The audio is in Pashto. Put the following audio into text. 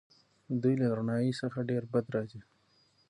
دوی له رڼایي څخه ډېر بد راځي.